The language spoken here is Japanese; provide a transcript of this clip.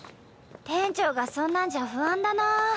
店長がそんなんじゃ不安だな。